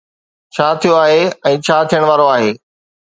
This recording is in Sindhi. ڇا ٿيو آهي ۽ ڇا ٿيڻ وارو آهي.